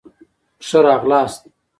ښه را غلاست